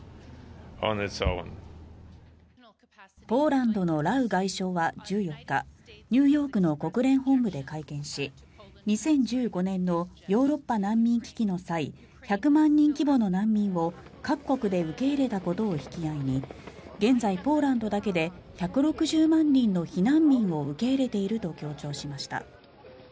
ポーランドのラウ外相は１４日ニューヨークの国連本部で会見し２０１５年のヨーロッパ難民危機の際１００万人規模の難民を各国で受け入れたことを引き合いに現在、ポーランドだけで１６０万人の避難民を受け入れていると強調しました。